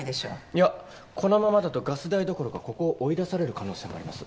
いやこのままだとガス代どころかここを追い出される可能性もあります。